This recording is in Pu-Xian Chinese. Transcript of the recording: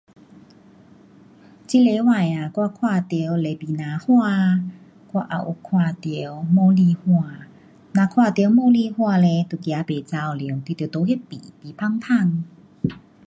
这礼拜啊我看到 ribena 花，我也有看到茉莉花。如看到茉莉花就走不了了，就在那嗅，嗅香香。